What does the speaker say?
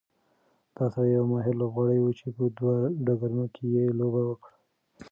دا سړی یو ماهر لوبغاړی و چې په دوه ډګرونو کې یې لوبه وکړه.